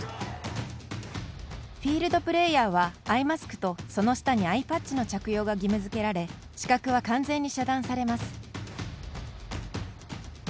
フィールドプレーヤーはアイマスクと、その下にアイパッチの着用が義務づけられ視覚は完全に遮断されます。